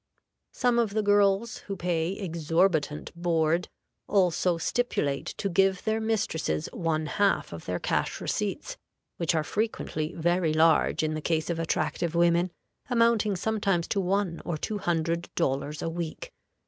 Some of the girls who pay exorbitant board also stipulate to give their mistresses one half of their cash receipts, which are frequently very large in the case of attractive women, amounting sometimes to one or two hundred dollars a week.